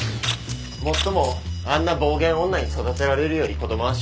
もっともあんな暴言女に育てられるより子供は幸せだろうな。